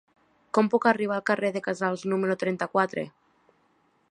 Com puc arribar al carrer de Casals número trenta-quatre?